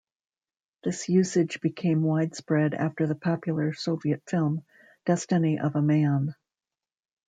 This usage became widespread after the popular Soviet film "Destiny of a Man".